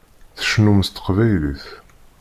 Tcennum s teqbaylit.